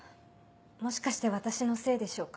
もしかして私のせいでしょうか。